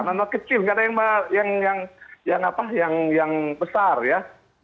anak anak kecil nggak ada yang besar ya